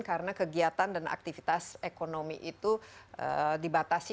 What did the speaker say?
karena kegiatan dan aktivitas ekonomi itu dibatasi